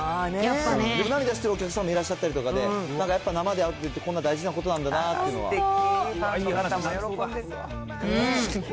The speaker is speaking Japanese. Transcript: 涙してるお客さんもいらっしゃったりとかで、なんかやっぱり生で会うってこんな大事なことなんだなというのはすてき。